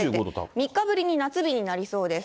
３日ぶりに夏日になりそうです。